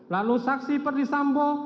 lalu saksi perdisambo